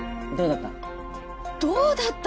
どうだった？